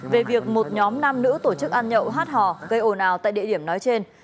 về việc một nhóm nam nữ tổ chức ăn nhậu hát hò gây ồn ào tại địa điểm nói trên